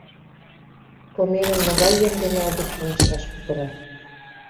Комелин могай йӧн дене обыскым ышташ кутыра.